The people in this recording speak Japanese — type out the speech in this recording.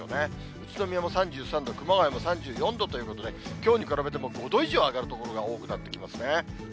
宇都宮も３３度、熊谷も３４度ということで、きょうに比べても５度以上上がる所が多くなってきますね。